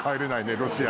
ロシアに。